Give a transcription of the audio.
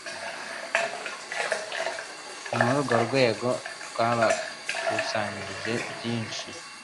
Ni muri urwo rwego twabakusanyirije byimhi